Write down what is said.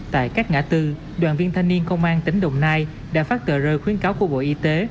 tại các ngã tư đoàn viên thanh niên công an tỉnh đồng nai đã phát tờ rơi khuyến cáo của bộ y tế